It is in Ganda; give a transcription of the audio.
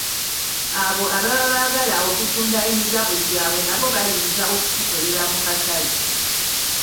Abo ababa baagala okutunda emigabo gyaabwe nabo bayinza okukikolera mu katale.